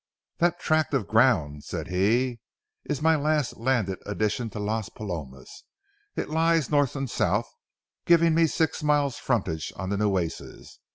"That tract of ground," said he, "is my last landed addition to Las Palomas. It lies north and south, giving me six miles' frontage on the Nueces.